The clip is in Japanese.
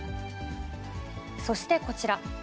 そしてこちら。